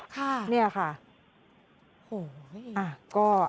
ค่ะนี่ค่ะโอ้โฮนี่